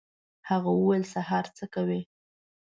هغه وویل: «سهار ته څه کوې؟»